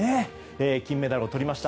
金メダルをとりました。